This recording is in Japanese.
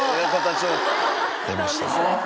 出ましたね。